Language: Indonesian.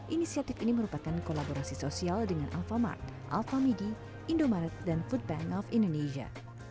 inisiatif ini merupakan kolaborasi sosial dengan alphamart alphamidi indomaret dan foodband of indonesia